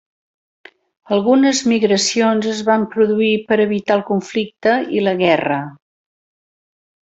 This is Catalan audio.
Algunes migracions es va produir per evitar el conflicte i la guerra.